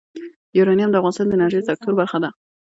یورانیم د افغانستان د انرژۍ سکتور برخه ده.